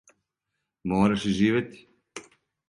Мораш и живети.